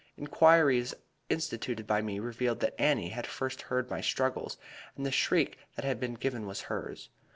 Inquiries instituted by me revealed that Annie had first heard my struggles, and the shriek that had been given was hers.